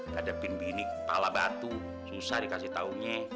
kepala batu susah dikasih taunya